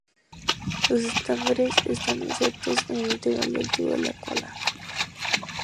Los estambres están insertos en el interior del tubo de la corola.